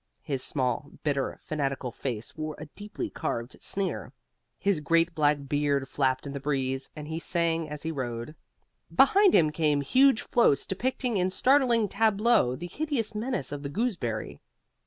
His small, bitter, fanatical face wore a deeply carved sneer. His great black beard flapped in the breeze, and he sang as he rode. Behind him came huge floats depicting in startling tableaux the hideous menace of the gooseberry.